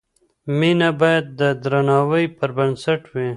مینه باید د درناوي پر بنسټ وي.